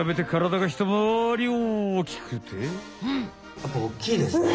やっぱおっきいですね。